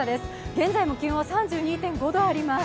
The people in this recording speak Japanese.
現在も気温は３２．５度あります。